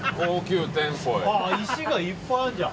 石がいっぱいあるじゃん。